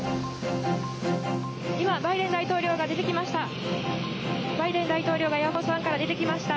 今、バイデン大統領が出てきました。